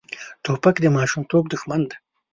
توپک د ماشومتوب دښمن دی.